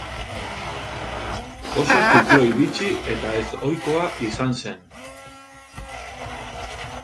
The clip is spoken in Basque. Oso zikloi bitxi eta ez ohikoa izan zen.